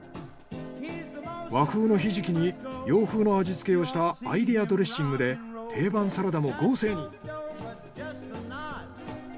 和風のひじきに洋風の味付けをしたアイデアドレッシングで定番サラダも豪勢に！